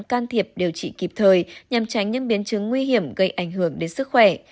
can thiệp điều trị kịp thời nhằm tránh những biến chứng nguy hiểm gây ảnh hưởng đến sức khỏe